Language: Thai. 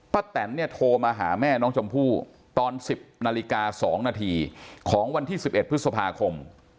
แตนเนี่ยโทรมาหาแม่น้องชมพู่ตอน๑๐นาฬิกา๒นาทีของวันที่๑๑พฤษภาคม